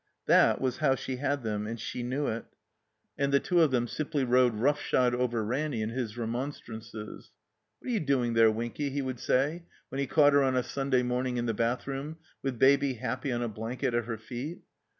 That was how she had them, and she knew it, 227 THE COMBINED MAZE and the Baby knew it; and the two of them simply rode roughshod over Ranny and his remonstrances. "What are jrou doing there, Winky?" he would say, when he caught her on a Sunday morning in the bathroom, with Baby happy on a blanket at her feet.